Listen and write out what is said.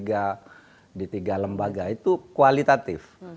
di tiga lembaga itu kualitatif